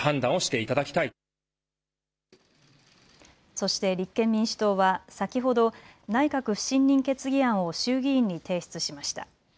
そして立憲民主党は先ほど内閣不信任決議案を衆議院に提出しました。